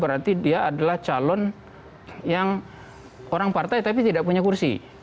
adalah calon yang orang partai tapi tidak punya kursi